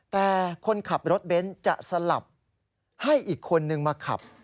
แต่คนขับรถเบนท์จะสลับให้อีกคนนึงมาขับ